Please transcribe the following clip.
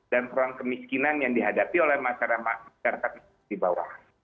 dan persoalan kemiskinan yang dihadapi oleh masyarakat di bawah